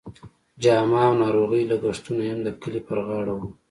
جامه او ناروغۍ لګښتونه یې هم د کلي پر غاړه وو.